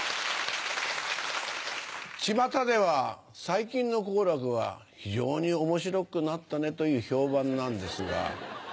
ちまたでは「最近の好楽は非常に面白くなったね」という評判なんですが。